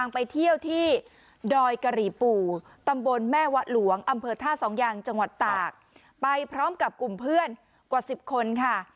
ไปพร้อมกับกลุ่มเพื่อนกว่า๑๗คนค่ะ